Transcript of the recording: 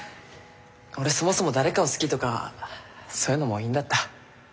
俺そもそも誰かを好きとかそういうのもういいんだった。